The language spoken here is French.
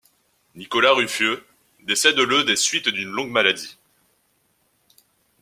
Nicolas Ruffieux décède le des suites d'une longue maladie.